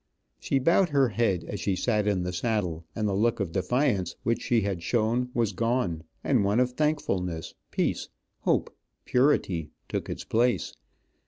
She bowed her head, as she sat in the saddle, and the look of defiance which she had shown, was gone, and one of thankfulness, peace, hope, purity, took its place.